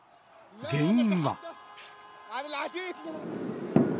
原因は。